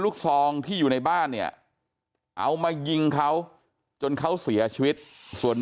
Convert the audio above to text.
ซองที่อยู่ในบ้านเนี่ยเอามายิงเขาจนเขาเสียชีวิตส่วน